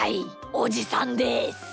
おじさんです。